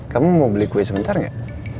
kamu mau beli kue sebentar gak